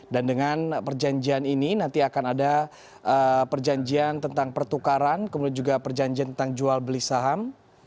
dan dengan perjanjian ini nanti akan ada perjanjian tentang pertukaran kemudian juga perjanjian tentang jual beli saham